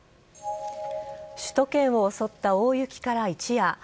首都圏を襲った大雪から一夜。